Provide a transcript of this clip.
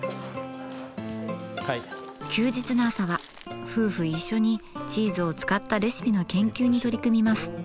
休日の朝は夫婦一緒にチーズを使ったレシピの研究に取り組みます。